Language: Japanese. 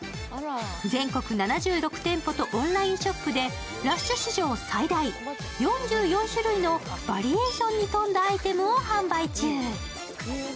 全国７６店舗とオンラインショップでＬＵＳＨ史上最大、４４種類のバリエーションに富んだアイテムを販売中。